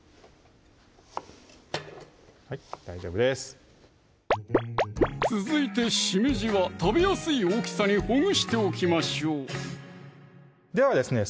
はい大丈夫です続いてしめじは食べやすい大きさにほぐしておきましょうではですね